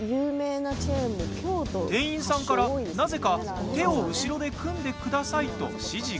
店員さんから、なぜか手を後ろで組んでくださいと指示が。